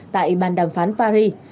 tại bàn đàm phán paris